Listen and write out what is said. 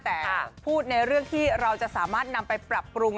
แต่พูดในเรื่องที่เราจะสามารถนำไปปรับปรุง